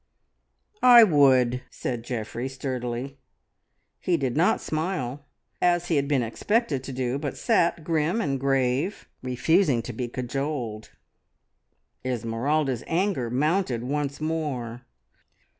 "I would," said Geoffrey sturdily. He did not smile, as he had been expected to do, but sat grim and grave, refusing to be cajoled. Esmeralda's anger mounted once more.